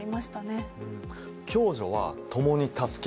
共助は共に助け合う。